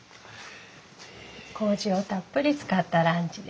こうじをたっぷり使ったランチです。